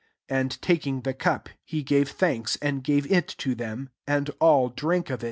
^ 2S Aad taking £the] cop, be gave thsmks, and gave U io them : and all drank of h.